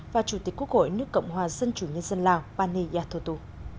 và chủ tịch quốc hội nước cộng hòa dân chủ nhân dân lào pani yathotu